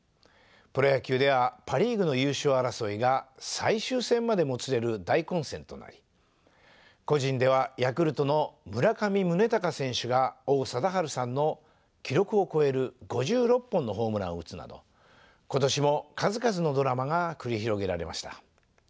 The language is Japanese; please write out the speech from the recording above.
プロ野球ではパ・リーグの優勝争いが最終戦までもつれる大混戦となり個人ではヤクルトの村上宗隆選手が王貞治さんの記録を超える５６本のホームランを打つなど今年も数々のドラマが繰り広げられました。